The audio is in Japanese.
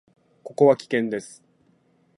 ここは危険です。